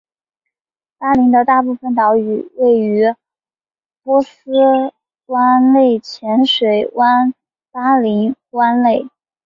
巴林的大部分岛屿位于波斯湾内的浅水湾巴林湾内。